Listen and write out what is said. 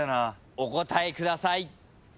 お答えください。